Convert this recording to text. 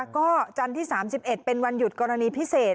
ก็จันทร์ที่๓๑เป็นวันหยุดกรณีพิเศษ